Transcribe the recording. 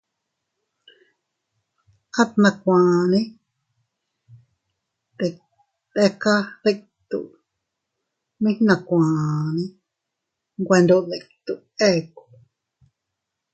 At nakuanne teka dittu, mi nakuane nwe ndo dittu eku.